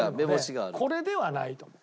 これではないと思う。